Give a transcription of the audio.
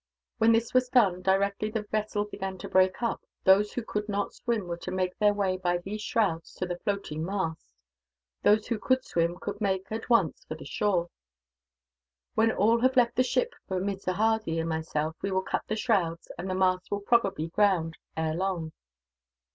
When this was done, directly the vessel began to break up, those who could not swim were to make their way by these shrouds to the floating mast. Those who could swim could make, at once, for the shore. "When all have left the ship but Mr. Hardy and myself, we will cut the shrouds; and the masts will probably ground, ere long."